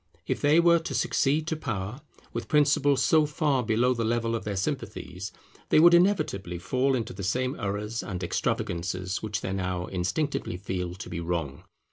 If they were to succeed to power, with principles so far below the level of their sympathies, they would inevitably fall into the same errors and extravagances which they now instinctively feel to be wrong.